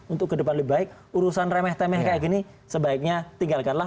untuk ke depan lebih baik urusan remeh temeh kayak gini sebaiknya tinggalkanlah